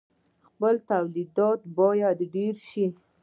خپل تولیدات باید ډیر شي.